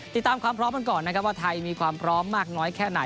ติดตามความพร้อมกันก่อนนะครับว่าไทยมีความพร้อมมากน้อยแค่ไหน